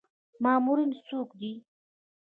مامورین څوک دي؟